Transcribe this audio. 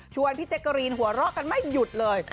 พี่แจ๊กกะรีนหัวเราะกันไม่หยุดเลย